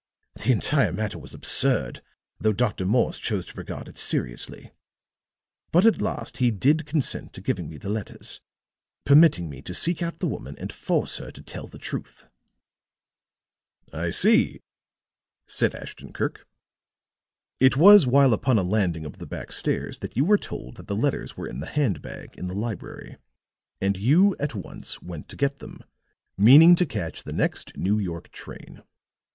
The entire matter was absurd, though Dr. Morse chose to regard it seriously. But at last he did consent to giving me the letters, permitting me to seek out the woman and force her to tell the truth." "I see," said Ashton Kirk. "It was while upon a landing of the back stairs that you were told that the letters were in the hand bag in the library, and you at once went to get them, meaning to catch the next New York train.